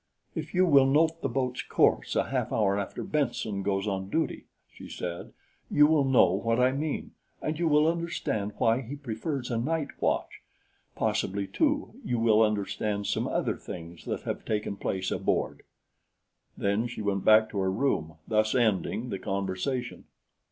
"If you will note the boat's course a half hour after Benson goes on duty," she said, "you will know what I mean, and you will understand why he prefers a night watch. Possibly, too, you will understand some other things that have taken place aboard." Then she went back to her room, thus ending the conversation.